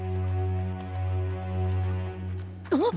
あっ！